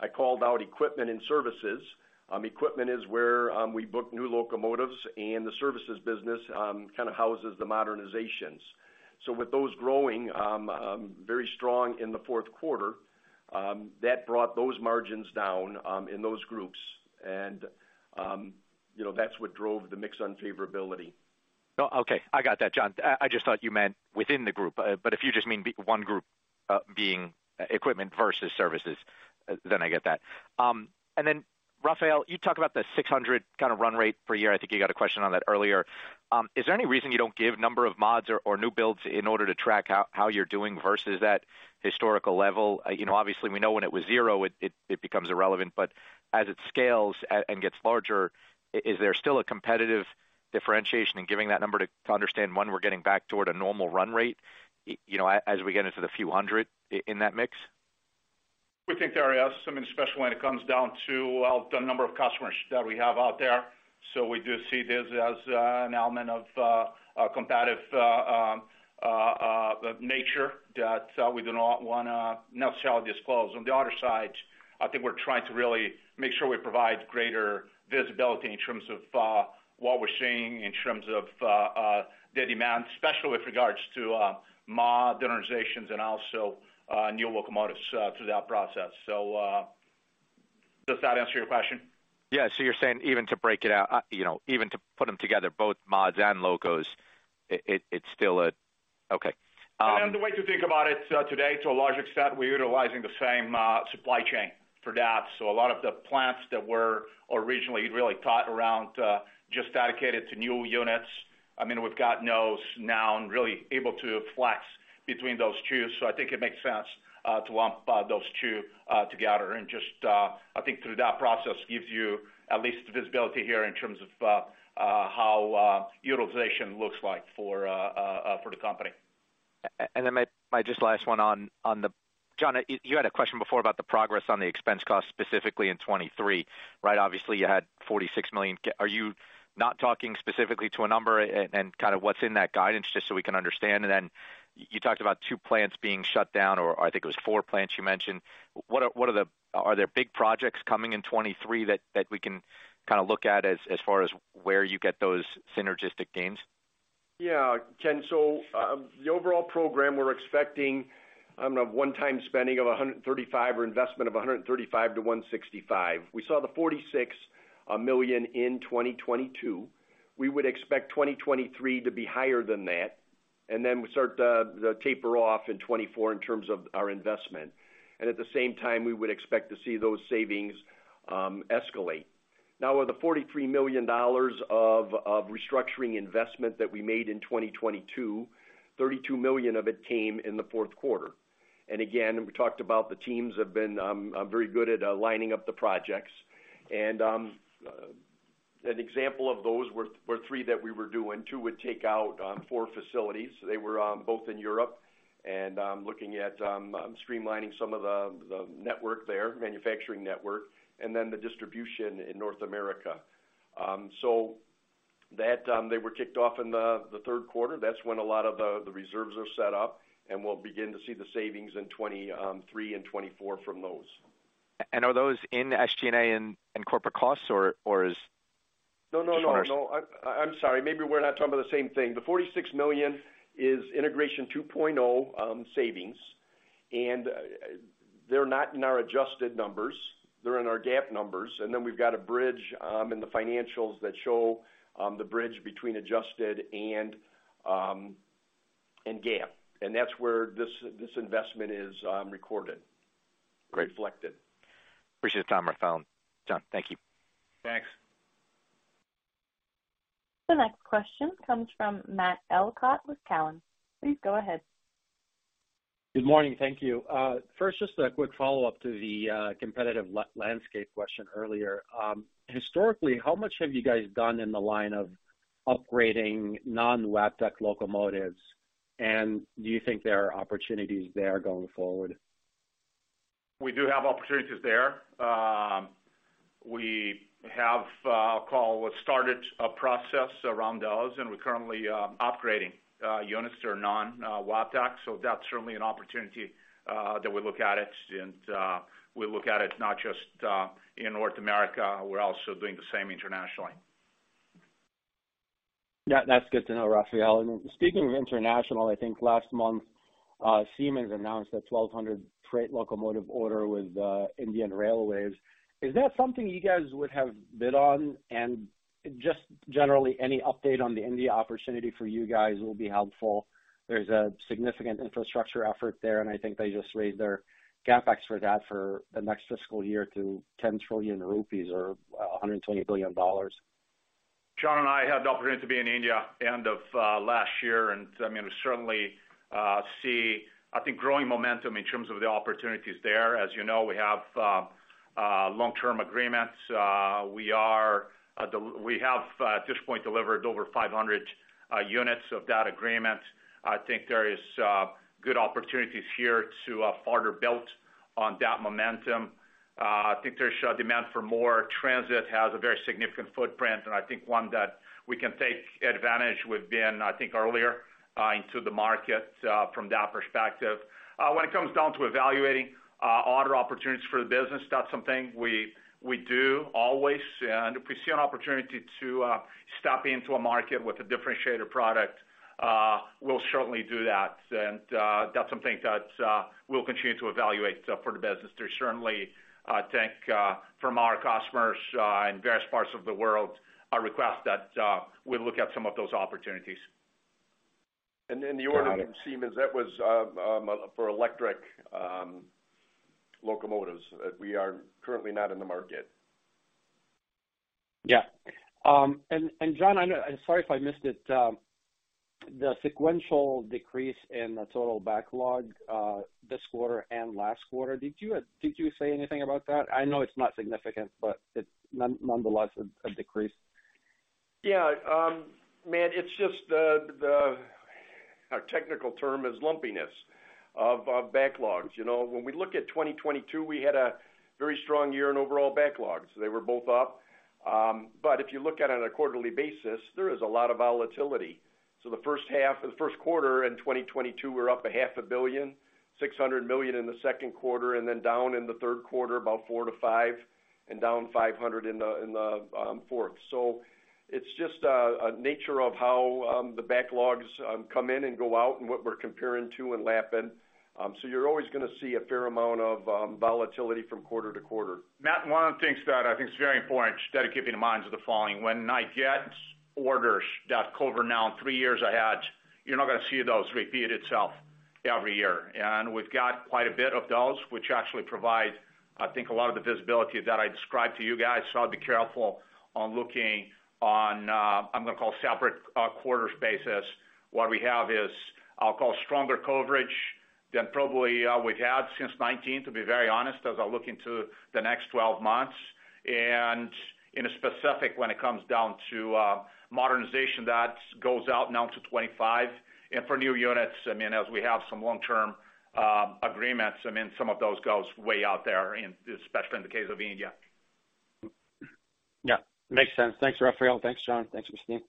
I called out equipment and services. Equipment is where we book new locomotives and the services business kind of houses the modernizations. With those growing, very strong in the fourth quarter, that brought those margins down in those groups. You know, that's what drove the mix unfavorability. No. Okay. I just thought you meant within the group. If you just mean one group, being equipment versus services, then I get that. Rafael, you talk about the 600 kind of run-rate per year. I think you got a question on that earlier. Is there any reason you don't give number of mods or new builds in order to track how you're doing versus that historical level? You know, obviously, we know when it was zero, it becomes irrelevant. As it scales and gets larger, is there still a competitive differentiation in giving that number to understand when we're getting back toward a normal run-rate, you know, as we get into the few hundred in that mix? We think there is something special when it comes down to the number of customers that we have out there. We do see this as an element of a competitive nature that we do not wanna necessarily disclose. On the other side, I think we're trying to really make sure we provide greater visibility in terms of what we're seeing in terms of the demand, especially with regards to modernizations and also new locomotives through that process. Does that answer your question? Yeah. you're saying even to break it out, you know, even to put them together, both mods and locos, it's still a. Okay. The way to think about it today, to a large extent, we're utilizing the same supply chain for that. A lot of the plants that were originally really thought around just dedicated to new units, I mean, we've got those now and really able to flex between those two. I think it makes sense to lump those two together. Just, I think through that process gives you at least the visibility here in terms of how utilization looks like for the company. My just last one on the John, you had a question before about the progress on the expense cost, specifically in 23, right? Obviously, you had $46 million. Are you not talking specifically to a number and kind of what's in that guidance just so we can understand? Then you talked about two plants being shut down, or I think it was four plants you mentioned. Are there big projects coming in 23 that we can kind of look at as far as where you get those synergistic gains? Yeah. Ken, the overall program we're expecting, I don't know, one-time spending of $135 million or investment of $135 million-$165 million. We saw the $46 million in 2022. We would expect 2023 to be higher than that. Then we start to taper off in 2024 in terms of our investment. At the same time, we would expect to see those savings escalate. Now with the $43 million of restructuring investment that we made in 2022, $32 million of it came in the fourth quarter. Again, we talked about the teams have been very good at lining up the projects. An example of those were three that we were doing. Two would take out four facilities. They were both in Europe and looking at streamlining some of the network there, manufacturing network, and then the distribution in North America. That, they were kicked off in the third quarter. That's when a lot of the reserves are set up, and we'll begin to see the savings in 2023 and 2024 from those. Are those in SG&A and corporate costs or? No, no. I'm sorry. Maybe we're not talking about the same thing. The $46 million is Integration 2.0 savings. They're not in our adjusted numbers, they're in our GAAP numbers. Then we've got a bridge in the financials that show the bridge between adjusted and GAAP. That's where this investment is recorded. Great. Reflected. Appreciate the time, Rafael. John, thank you. Thanks. The next question comes from Matt Elkott with Cowen. Please go ahead. Good morning. Thank you. First, just a quick follow-up to the competitive landscape question earlier. Historically, how much have you guys done in the line of upgrading non-Wabtec locomotives, and do you think there are opportunities there going forward? We do have opportunities there. We have I'll call, started a process around those, and we're currently upgrading units that are non-Wabtec. That's certainly an opportunity that we look at it. We look at it not just in North America, we're also doing the same internationally. Yeah, that's good to know, Rafael. Speaking of international, I think last month, Siemens announced a 1,200 freight locomotive order with Indian Railways. Is that something you guys would have bid on? Just generally, any update on the India opportunity for you guys will be helpful. There's a significant infrastructure effort there, and I think they just raised their CapEx for that for the next fiscal year to 10 trillion rupees or $120 billion. John and I had the opportunity to be in India end of last year. I mean, we certainly see, I think, growing momentum in terms of the opportunities there. As you know, we have long-term agreements. We are at this point delivered over 500 units of that agreement. I think there is good opportunities here to further build on that momentum. I think there's a demand for more. Transit has a very significant footprint, and I think one that we can take advantage. We've been, I think, earlier into the market from that perspective. When it comes down to evaluating other opportunities for the business, that's something we do always. If we see an opportunity to step into a market with a differentiated product, we'll certainly do that. That's something that we'll continue to evaluate for the business. There's certainly, I think, from our customers, in various parts of the world, a request that we look at some of those opportunities. The order from Siemens, that was for electric locomotives. We are currently not in the market. John, sorry if I missed it. The sequential decrease in the total backlog, this quarter and last quarter, did you say anything about that? I know it's not significant, but it's nonetheless a decrease. Yeah. Matt, it's just the our technical term is lumpiness of backlog. You know, when we look at 2022, we had a very strong year in overall backlogs. They were both up. If you look at it on a quarterly basis, there is a lot of volatility. The first half, the first quarter in 2022, we're up a half a billion, $600 million in the second quarter, and then down in the third quarter, about $400 million-$500 million, and down $500 million in the fourth. It's just a nature of how the backlogs come in and goes out and what we're comparing to and lapping. You're always gonna see a fair amount of volatility from quarter to quarter. Matt, one of the things that I think is very important just to keep in mind is the following. When [Knight] gets orders that cover now three years ahead, you're not gonna see those repeat itself every year. We've got quite a bit of those which actually provide, I think, a lot of the visibility that I described to you guys. I'd be careful on looking on, I'm gonna call separate quarter basis. What we have is, I'll call stronger coverage than probably we've had since 2019, to be very honest, as I look into the next 12 months. In a specific, when it comes down to modernization, that goes out now to 2025. For new units, I mean, as we have some long-term agreements, I mean, some of those goes way out there in, especially in the case of India. Yeah, makes sense. Thanks, Rafael. Thanks, John. Thanks, Kristine.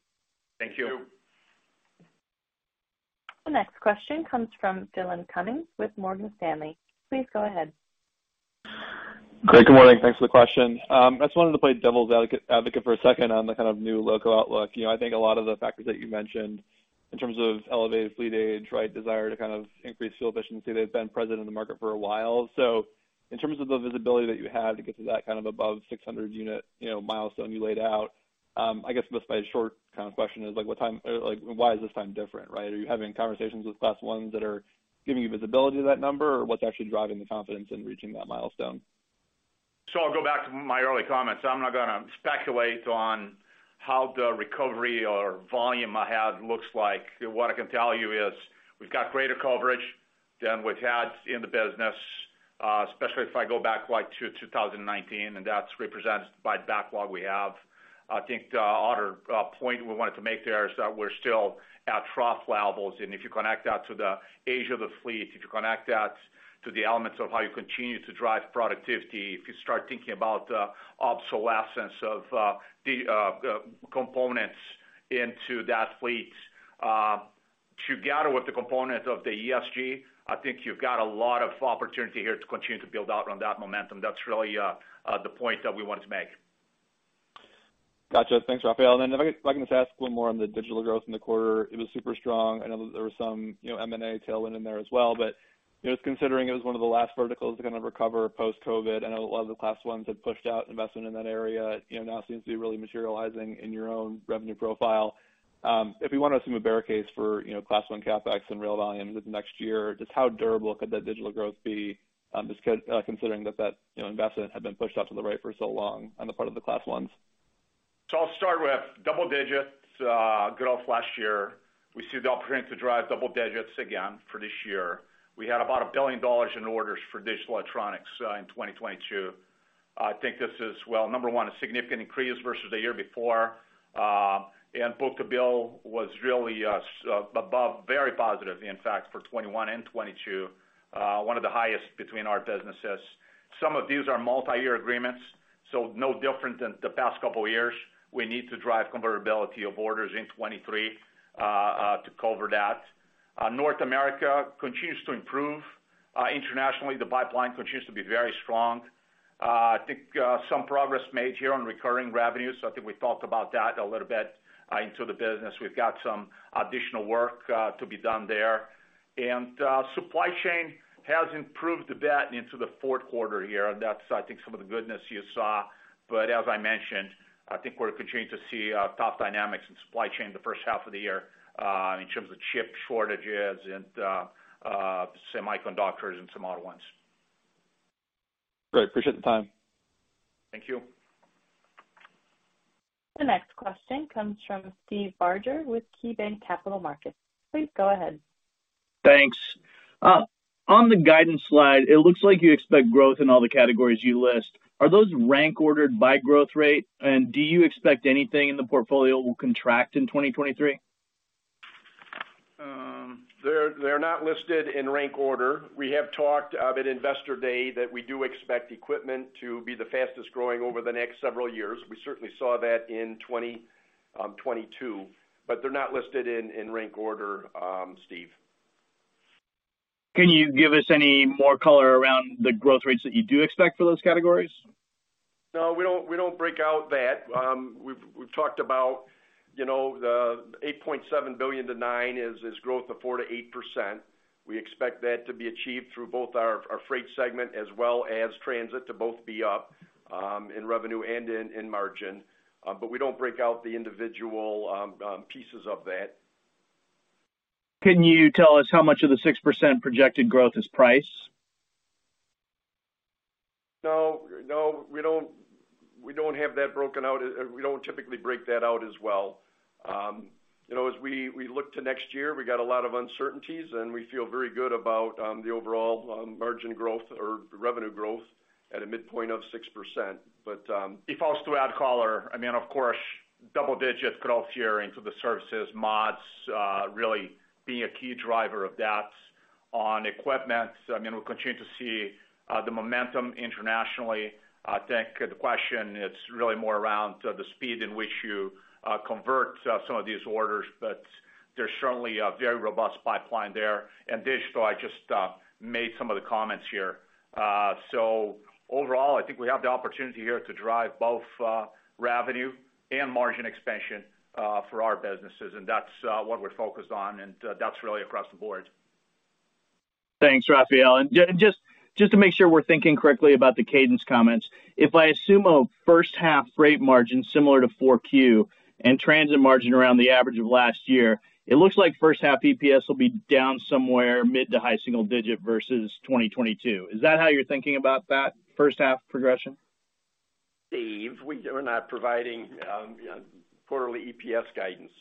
Thank you. The next question comes from Dillon Cumming with Morgan Stanley. Please go ahead. Great. Good morning. Thanks for the question. I just wanted to play devil's advocate for a second on the kind of new loco outlook. You know, I think a lot of the factors that you mentioned in terms of elevated fleet age, right, desire to kind of increase fuel efficiency, they've been present in the market for a while. In terms of the visibility that you had to get to that kind of above 600 unit, you know, milestone you laid out, I guess just my short kind of question is, like, what time or like why is this time different, right? Are you having conversations with Class 1s that are giving you visibility to that number? What's actually driving the confidence in reaching that milestone? I'll go back to my early comments. I'm not gonna speculate on how the recovery or volume ahead looks like. What I can tell you is we've got greater coverage than we've had in the business, especially if I go back, like, to 2019, and that's represented by backlog we have. I think the other point we wanted to make there is that we're still at trough levels. If you connect that to the age of the fleet, if you connect that to the elements of how you continue to drive productivity, if you start thinking about the obsolescence of the components into that fleet, together with the component of the ESG, I think you've got a lot of opportunity here to continue to build out on that momentum. That's really, the point that we wanted to make. Gotcha. Thanks, Rafael. If I can just ask one more on the digital growth in the quarter. It was super strong. I know that there was some, you know, M&A tailwind in there as well, but, you know, just considering it was one of the last verticals to kind of recover post-COVID, I know a lot of the class ones had pushed out investment in that area, you know, now seems to be really materializing in your own revenue profile. If we want to assume a bear case for, you know, class one CapEx and rail volume within the next year, just how durable could that digital growth be, just considering that that, you know, investment had been pushed out to the right for so long on the part of the class ones? I'll start with double digits growth last year. We see the opportunity to drive double digits again for this year. We had about $1 billion in orders for Digital Electronics in 2022. I think this is, well, number one, a significant increase versus the year before. Book-to-bill was really above, very positive, in fact, for 2021 and 2022, one of the highest between our businesses. Some of these are multi-year agreements, no different than the past couple of years. We need to drive convertibility of orders in 2023 to cover that. North America continues to improve. Internationally, the pipeline continues to be very strong. I think some progress made here on recurring revenues. I think we talked about that a little bit into the business. We've got some additional work to be done there. Supply chain has improved a bit into the fourth quarter here. That's I think some of the goodness you saw. As I mentioned, I think we're continuing to see tough dynamics in supply chain the first half of the year, in terms of chip shortages and semiconductors and some other ones. Great. Appreciate the time. Thank you. The next question comes from Steve Barger with KeyBanc Capital Markets. Please go ahead. Thanks. On the guidance slide, it looks like you expect growth in all the categories you list. Are those rank ordered by growth rate? Do you expect anything in the portfolio will contract in 2023? They're not listed in rank order. We have talked at Investor Day that we do expect equipment to be the fastest growing over the next several years. We certainly saw that in 2022, but they're not listed in rank order, Steve. Can you give us any more color around the growth rates that you do expect for those categories? No, we don't break out that. We've talked about, you know, the $8.7 billion to $9 billion is growth of 4%-8%. We expect that to be achieved through both our freight segment as well as transit to both be up in revenue and in margin. We don't break out the individual pieces of that. Can you tell us how much of the 6% projected growth is price? No. No, we don't, we don't have that broken out. We don't typically break that out as well. You know, as we look to next year, we got a lot of uncertainties, and we feel very good about the overall margin growth or revenue growth at a midpoint of 6%. If I was to add color, I mean, of course, double digits growth year into the services mods, really being a key driver of that. On equipment, I mean, we'll continue to see the momentum internationally. I think the question is really more around the speed in which you convert some of these orders, but there's certainly a very robust pipeline there. Digital, I just made some of the comments here. Overall, I think we have the opportunity here to drive both revenue and margin expansion for our businesses, and that's what we're focused on, and that's really across the board. Thanks, Rafael. Just to make sure we're thinking correctly about the cadence comments, if I assume a first half freight margin similar to 4Q and transit margin around the average of last year, it looks like first half EPS will be down somewhere mid-to-high single digit versus 2022. Is that how you're thinking about that first half progression? Steve, we are not providing quarterly EPS guidance.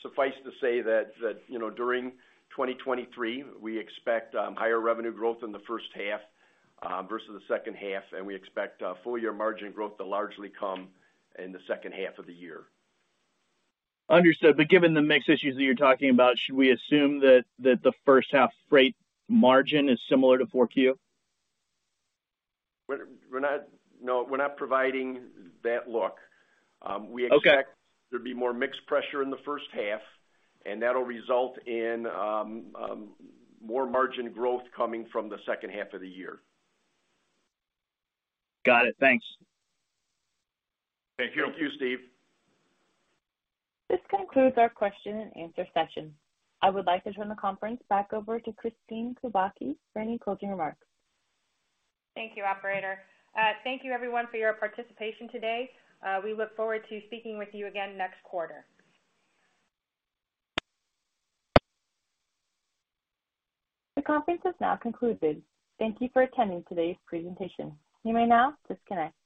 Suffice to say that, you know, during 2023, we expect higher revenue growth in the first half versus the second half, and we expect full year margin growth to largely come in the second half of the year. Understood. Given the mix issues that you're talking about, should we assume that the first half freight margin is similar to 4Q? No, we're not providing that look. Okay. There'll be more mix pressure in the first half, and that'll result in more margin growth coming from the second half of the year. Got it. Thanks. Thank you. Thank you, Steve. This concludes our question and answer session. I would like to turn the conference back over to Kristine Kubacki for any closing remarks. Thank you, operator. Thank you everyone for your participation today. We look forward to speaking with you again next quarter. The conference has now concluded. Thank you for attending today's presentation. You may now disconnect.